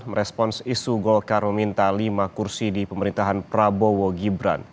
merespons isu golkar meminta lima kursi di pemerintahan prabowo gibran